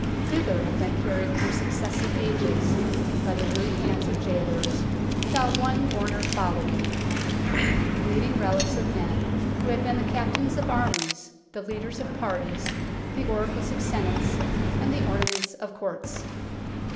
Thither have been carried through suc cessive ages, by the rude hands of gaolers, without one mourner following, the bleeding relics of men, who had been the captains of armies, the leaders of parties, the oracles of senates, and the ornaments of Courts."